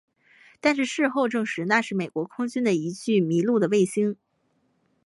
但是事后证实那是美国空军的一具迷路的卫星。